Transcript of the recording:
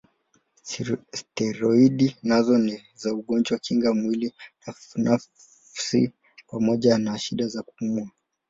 Steroidi nazo ni za ugonjwa kinga mwili nafsi pamoja na shida za kupumua.